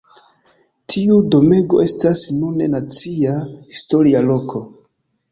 Tiu domego estas nune Nacia Historia Loko.